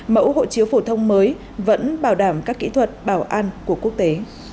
mẫu hộ chiếu phổ thông mới vẫn bảo đảm các kỹ thuật bảo an của quốc tế